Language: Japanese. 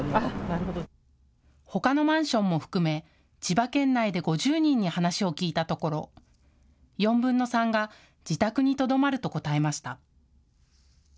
ほかのマンションも含め千葉県内で５０人に話を聞いたところ、４分の３が自宅にとどまると答えました。